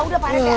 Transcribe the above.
udah pak rt aja